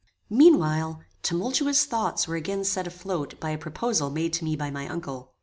Meanwhile, tumultuous thoughts were again set afloat by a proposal made to me by my uncle.